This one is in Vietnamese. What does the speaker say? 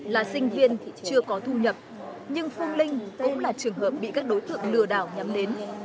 là sinh viên chưa có thu nhập nhưng phương linh cũng là trường hợp bị các đối tượng lừa đảo nhắm đến